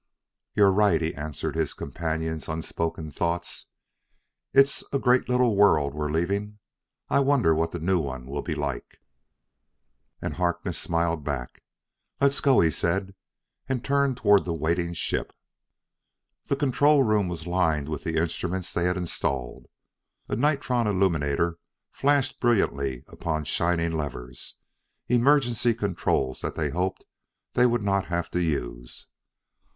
"You're right," he answered his companion's unspoken thoughts; "it's a great little old world we're leaving. I wonder what the new one will be like." And Harkness smiled back. "Let's go!" he said, and turned toward the waiting ship. The control room was lined with the instruments they had installed. A nitron illuminator flashed brilliantly upon shining levers emergency controls that they hoped they would not have to use.